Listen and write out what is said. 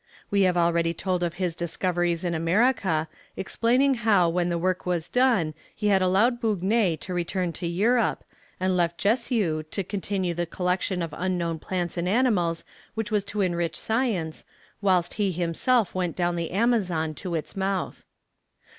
We have already told of his discoveries in America, explaining how when the work was done he had allowed Bougner to return to Europe, and left Jussieu to continue the collection of unknown plants and animals which was to enrich science, whilst he himself went down the Amazon to its Mouth.